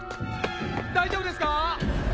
大丈夫ですか！？